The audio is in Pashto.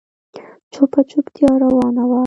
چوپه چوپتيا روانه وه.